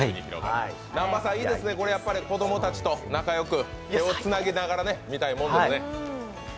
南波さん、いいですね、子供たちと仲よく手をつないで見てみたいもんですね。